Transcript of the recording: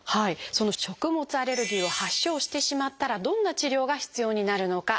その食物アレルギーを発症してしまったらどんな治療が必要になるのか。